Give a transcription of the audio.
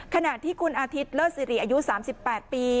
ขณะที่คุณอาทิตย์เลิศสิริอายุ๓๘ปี